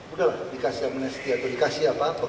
udah lah dikasih amnesti atau dikasih apa pengampunan